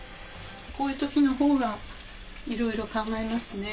こういう時の方がいろいろ考えますね。